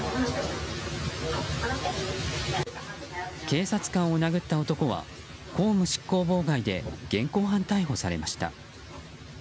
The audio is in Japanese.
警察官を殴った男は公務執行妨害で現行犯逮捕されました。